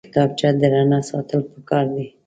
کتابچه درنه ساتل پکار دي